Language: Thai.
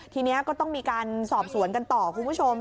ทีนี้ก็ต้องมีการสอบสวนกันต่อคุณผู้ชม